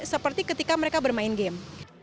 seperti ketika mereka bermain game